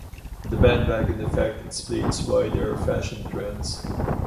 The bandwagon effect explains why there are fashion trends.